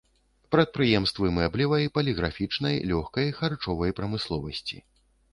Прадпрыемствы мэблевай, паліграфічнай, лёгкай, харчовай прамысловасці.